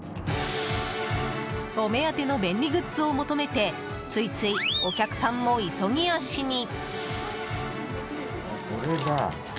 お目当ての便利グッズを求めてついつい、お客さんも急ぎ足に。